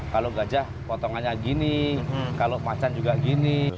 kalau gajah potongannya gini kalau macan juga gini